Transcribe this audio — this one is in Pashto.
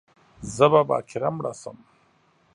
زه به باکره مړه شم